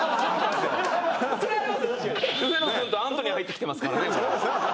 植野君とアントニー入ってきてますからね。